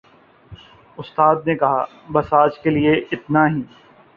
اُستاد نے کہا، "بس آج کے لئے اِتنا ہی"